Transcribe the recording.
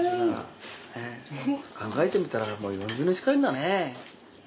考えてみたら４０年近いんだね。